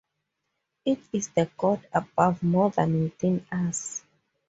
It is the God above, more than within, us.